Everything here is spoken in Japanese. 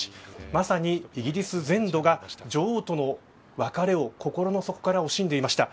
まさにイギリス全土が女王との別れを心の底から惜しんでいました。